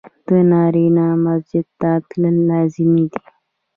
د نارينه مسجد ته تلل لازمي دي.